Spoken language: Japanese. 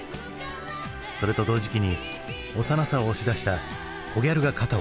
それと同時期に幼さを押し出したコギャルが肩を並べた。